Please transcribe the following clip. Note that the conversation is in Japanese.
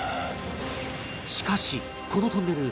しかしこのトンネル